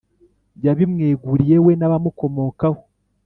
yarabimweguriye, we n’abamukomokaho.